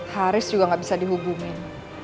haris juga nggak bisa dihubungin